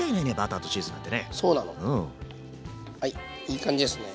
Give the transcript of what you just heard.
はいいい感じですね。